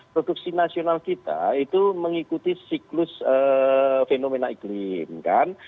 produksi nasional kita itu mengikuti siklus fenomena iklim kan